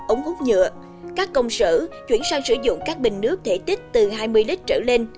ống hút nhựa các công sở chuyển sang sử dụng các bình nước thể tích từ hai mươi lít trở lên